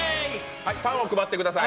はい、パンを配ってください。